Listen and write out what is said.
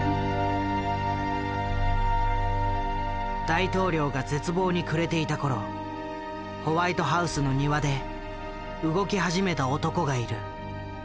大統領が絶望に暮れていた頃ホワイトハウスの庭で動き始めた男がいる。